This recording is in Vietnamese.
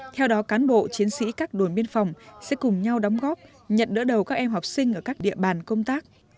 theo đó cán bộ chiến sĩ các đồn biên phòng sẽ cùng nhau đóng góp nhận đỡ đầu các em học sinh ở các địa bàn công tác